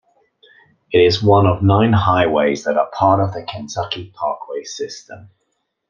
It is one of nine highways that are part of the Kentucky parkway system.